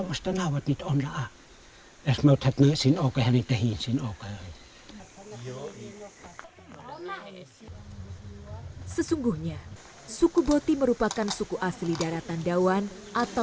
mereka adalah orang timur yang memiliki kebijakan dalam hal menyekolahkan anaknya